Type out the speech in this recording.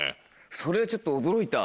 それがちょっと驚いた。